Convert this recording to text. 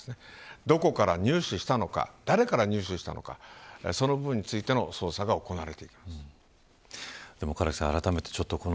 どこから入手したのか誰から入手したのかその部分についての捜査が行われていくと思います。